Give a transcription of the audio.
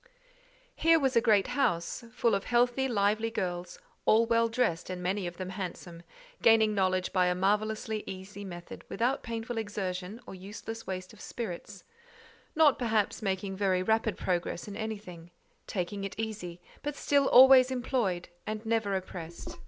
Here was a great house, full of healthy, lively girls, all well dressed and many of them handsome, gaining knowledge by a marvellously easy method, without painful exertion or useless waste of spirits; not, perhaps, making very rapid progress in anything; taking it easy, but still always employed, and never oppressed.